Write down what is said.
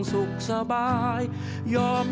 เพลงเพลง